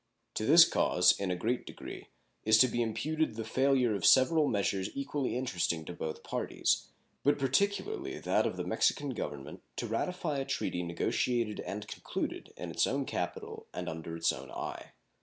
To this cause, in a great degree, is to be imputed the failure of several measures equally interesting to both parties, but particularly that of the Mexican Government to ratify a treaty negotiated and concluded in its own capital and under its own eye.